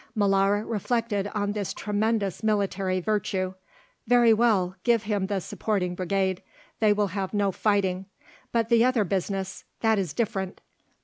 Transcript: Molara reflected on this tremendous military virtue. "Very well; give him the supporting brigade; they will have no fighting. But the other business; that is different.